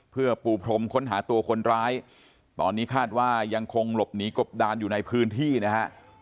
เพื่อปูพรมค้นหาตัวคนร้ายตอนนี้คาดว่ายังคงหลบหนีกบดานอยู่ในพื้นที่นะฮะ